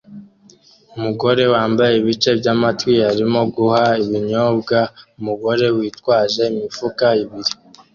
Umugore wambaye ibice byamatwi arimo guha ibinyobwa umugore witwaje imifuka ibiri